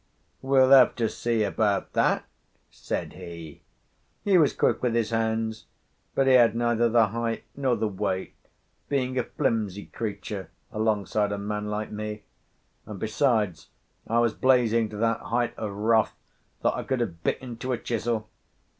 "We'll have to see about that," said he. He was quick with his hands, but he had neither the height nor the weight, being a flimsy creature alongside a man like me, and, besides, I was blazing to that height of wrath that I could have bit into a chisel.